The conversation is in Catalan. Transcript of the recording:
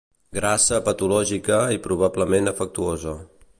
Grassa patològica i probablement afectuosa.